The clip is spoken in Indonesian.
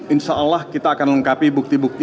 insya allah kita akan lengkapi bukti bukti